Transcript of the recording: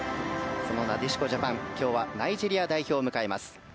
その、なでしこジャパン今日はナイジェリア代表を迎えます。